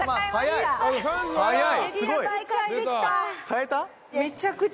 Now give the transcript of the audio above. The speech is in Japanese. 買えた？